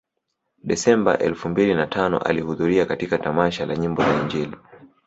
Desemba elfu mbili na tano alihudhuria katika tamasha la nyimbo za Injili